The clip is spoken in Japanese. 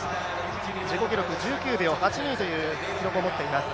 自己記録１９秒８２という記録を持っています。